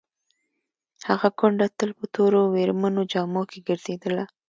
هغه کونډه تل په تورو ویرمنو جامو کې ګرځېدله.